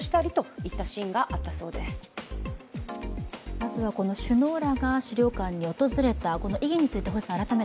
まずは首脳らが資料館に訪れた意義について。